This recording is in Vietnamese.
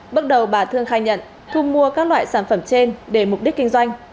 bước đầu bà thương khai nhận thu mua các loại sản phẩm trên để mục đích kinh doanh